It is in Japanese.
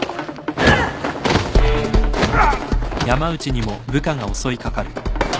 うわ。